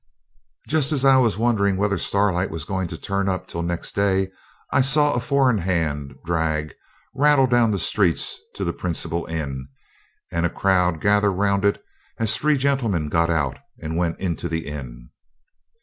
Just as I was wondering whether Starlight was going to turn up till next day I saw a four in hand drag rattle down the street to the principal inn, and a crowd gather round it as three gentlemen got out and went into the inn.